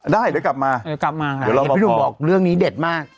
ได้เลยกลับมากลับมาค่ะเห็นพี่หนุ่มบอกเรื่องนี้เด็ดมาก